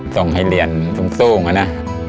ส่งให้เรียนสูงอะนะ